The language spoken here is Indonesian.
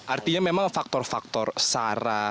artinya memang faktor faktor sara